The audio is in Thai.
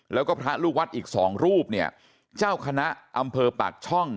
แล้วก็พระลูกวัดอีกสองรูปเนี่ยเจ้าคณะอำเภอปากช่อง